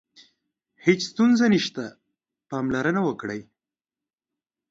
هیڅ ستونزه نشته، پاملرنه وکړئ.